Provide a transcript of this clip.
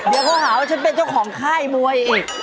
เดี๋ยวเขาหาว่าฉันเป็นเจ้าของค่ายมวยอีก